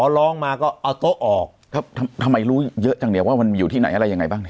ร้องมาก็เอาโต๊ะออกทำไมรู้เยอะจังเดียวว่ามันอยู่ที่ไหนอะไรยังไงบ้าง